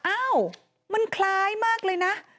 อ้าวมันคล้ายมากเลยนะ